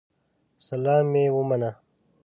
سلام مي ومنه